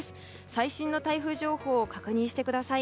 最新の台風情報を確認してください。